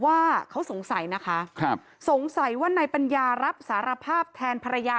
ว่าเขาสงสัยนะคะครับสงสัยว่านายปัญญารับสารภาพแทนภรรยา